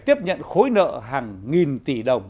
tiếp nhận khối nợ hàng nghìn tỷ đồng